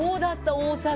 大阪。